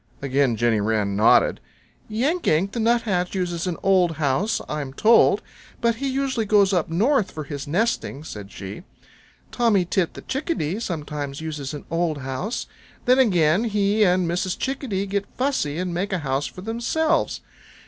Again Jenny Wren nodded. "Yank Yank the Nuthatch uses an old house, I'm told, but he usually goes up North for his nesting," said she. "Tommy Tit the Chickadee sometimes uses an old house. Then again he and Mrs. Chickadee get fussy and make a house for themselves.